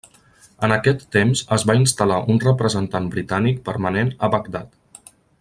En aquest temps es va instal·lar un representant britànic permanent a Bagdad.